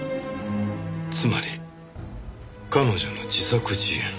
つまり彼女の自作自演。